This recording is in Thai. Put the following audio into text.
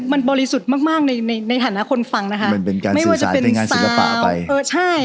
มันบริสุทธิ์มากมากในในในฐานะคนฟังนะคะมันเป็นการไม่ว่าจะเป็นศิลปะเออใช่